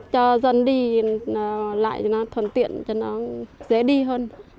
cho dân đi lại thì nó thuận tiện cho nó dễ đi hơn